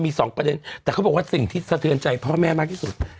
มีสองประเด็นแต่เขาบอกว่าสิ่งที่สะเทือนใจพ่อแม่มากที่สุด